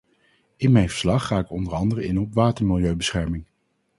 In mijn verslag ga ik onder andere in op watermilieubescherming.